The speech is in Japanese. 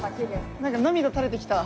なんか涙垂れてきた。